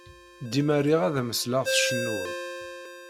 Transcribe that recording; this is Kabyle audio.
Dima riɣ ad am-sleɣ tcennud.